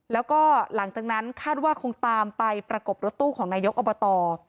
แล้วก็หลังจากนั้นคาดว่าคงตามไปประกบรถตู้ของนายกอบต